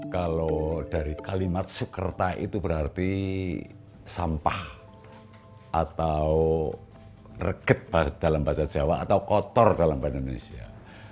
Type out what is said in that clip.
kalau dari kalimat sukerta itu berarti sampah atau reket dalam bahasa jawa atau kotor dalam bahasa indonesia